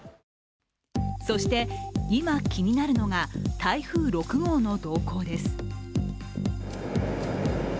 そして今、気になるのが台風６号の動向です。